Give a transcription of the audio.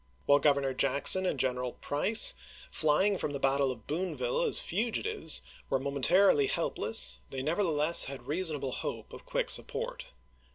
While Governor Jackson and General Price, flying from the battle of Boonville as fugitives, were moment Jimen.isei. arily helpless, they nevertheless had reasonable hope of quick support.